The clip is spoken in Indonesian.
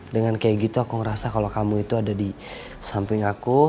dengan kayak gitu aku ngerasa kalau kamu itu ada di samping aku